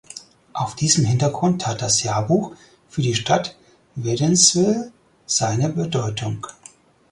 Auf diesem Hintergrund hat das Jahrbuch für die Stadt Wädenswil seine Bedeutung.